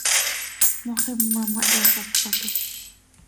Moxima ma hyazápatol.